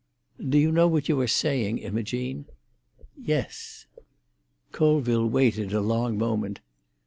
"Do you know what you are saying, Imogene?" "Yes." Colville waited a long moment.